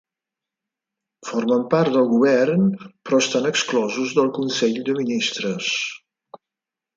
Formen part del govern, però estan exclosos del Consell de Ministres.